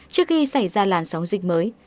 trước khi xảy ra làn sóng dịch mới